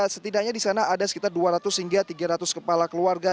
setidaknya di sana ada sekitar dua ratus hingga tiga ratus kepala keluarga